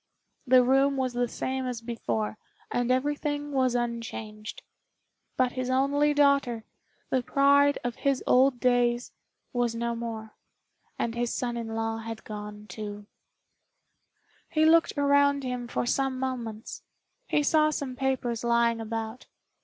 The room was the same as before, and everything was unchanged; but his only daughter, the pride of his old days, was no more, and his son in law had gone too. He looked around him for some moments. He saw some papers lying about.